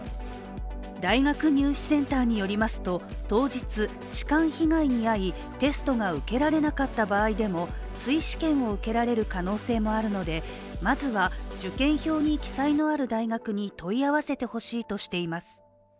大学入試センターによりますと、当日、痴漢被害に遭いテストが受けられなかった場合でも追試験を受けられる可能性もあるのでまずは受験票に記載のある大学に問い合わせてほしいとしています。